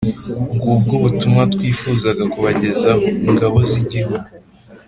ngubwo ubutumwa twifuzaga kubagezaho, ngabo z'igihugu